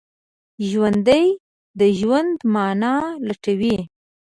ژوندي د ژوند معنی لټوي